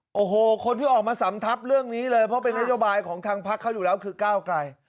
โอ้โหคนที่ออกมาสำทับเรื่องนี้เลยเพราะเป็นนโยบายของทางพักเขาอยู่แล้วคือก้าวไกล